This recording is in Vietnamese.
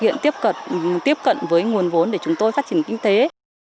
điều kiện tiếp cận với nguồn vốn để chúng tôi phát triển kinh tế